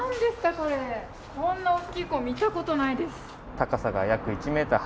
こんな大きいコーン見たことないです。